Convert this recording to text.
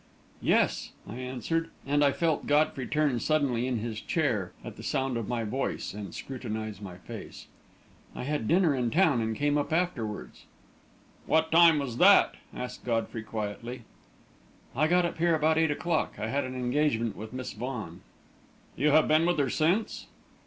"Yes," I answered; and I felt Godfrey turn suddenly in his chair, at the sound of my voice, and scrutinise my face. "I had dinner in town and came up afterwards." "What time was that?" asked Godfrey, quietly. "I got up here about eight o'clock. I had an engagement with Miss Vaughan." "You have been with her since?"